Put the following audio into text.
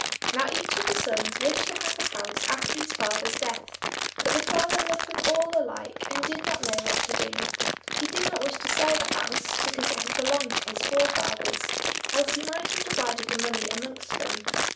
Now each of the sons wished to have the house after his father's death; but the father loved them all alike, and did not know what to do; he did not wish to sell the house, because it had belonged to his forefathers, else he might have divided the money amongst them.